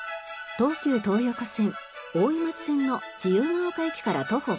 東急東横線大井町線の自由が丘駅から徒歩５分。